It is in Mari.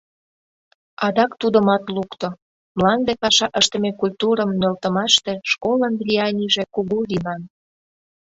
Адак тудымат лукто: мланде паша ыштыме культурым нӧлтымаште школын влиянийже кугу лийман.